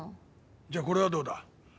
じゃあこれはどうだ？